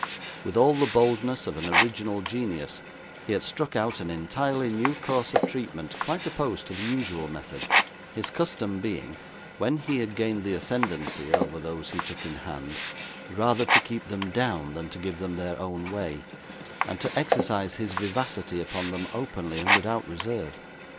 With all the boldness of an original genius, he had struck out an entirely new course of treatment quite opposed to the usual method; his custom being, when he had gained the ascendancy over those he took in hand, rather to keep them down than to give them their own way; and to exercise his vivacity upon them openly, and without reserve.